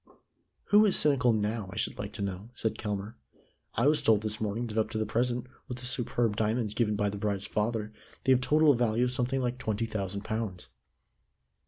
"Who is cynical now, I should like to know?" said Kelmare. "I was told this morning that up to the present, with the superb diamonds given by the bride's father, they have totalled a value of something like twenty thousand pounds."